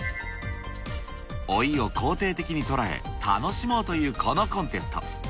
老いを肯定的に捉え、楽しもうというこのコンテスト。